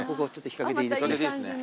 日陰でいいですね。